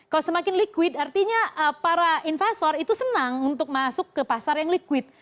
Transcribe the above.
kalau semakin liquid artinya para investor itu senang untuk masuk ke pasar yang liquid